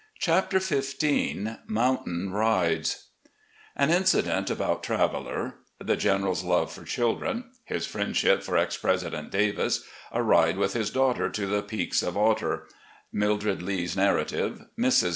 CHAPTER XV Mountain Rides AN incident about "TRAVELLER" — THE GENERAL'S LOVE FOR CHILDREN — ^HIS FRIENDSHIP FOR EX PRESIDENT DAVIS — ^A RIDE WITH HIS DAUGHTER TO THE PEAKS OP OTTER — ^MILDRED LEE's NARRATIVE — MRS.